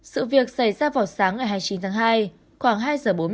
sự việc xảy ra vào sáng ngày hai mươi chín tháng hai khoảng hai giờ bốn mươi